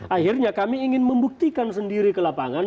akhirnya kami ingin membuktikan sendiri ke lapangan